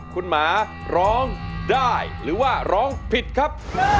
คุณหมาร้องได้หรือว่าร้องผิดครับ